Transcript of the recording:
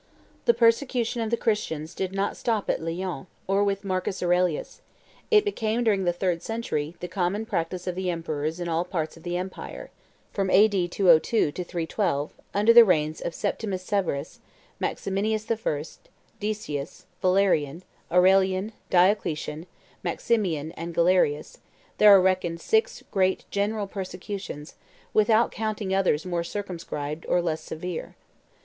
The persecution of the Christians did not stop at Lyons, or with Marcus Aurelius; it became, during the third century, the common practice of the emperors in all parts of the Empire: from A.D. 202 to 312, under the reigns of Septimius Severus, Maximinus the First, Decius, Valerian, Aurelian, Diocletian, Maximian, and Galerius, there are reckoned six great general persecutions, without counting others more circumscribed or less severe.